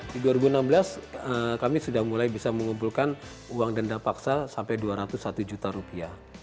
di dua ribu enam belas kami sudah mulai bisa mengumpulkan uang denda paksa sampai dua ratus satu juta rupiah